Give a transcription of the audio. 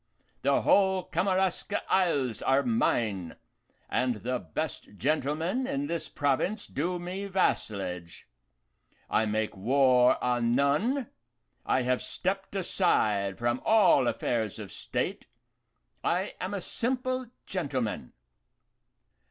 The whole Kamaraska Isles are mine, and the best gentlemen in this province do me vassalage. I make war on none, I have stepped aside from all affairs of state, I am a simple gentleman.